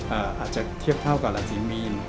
อาจจะเทียบเท่ากับราศีมีน